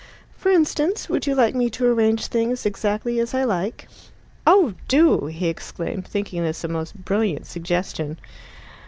"For instance, would you like me to arrange things exactly as I like?" "Oh do!" he exclaimed, thinking this a most brilliant suggestion.